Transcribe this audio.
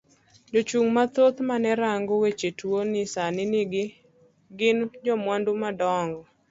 Jo chung mathoth mane rango weche tuo ni sani gin jomwandu madongo.